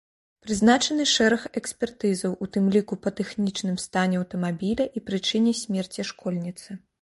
Прызначаны шэраг экспертызаў, у тым ліку па тэхнічным стане аўтамабіля і прычыне смерці школьніцы.